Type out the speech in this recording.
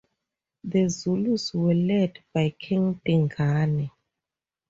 The Zulus were led by King Dingane.